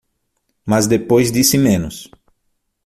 Mas depois disse menos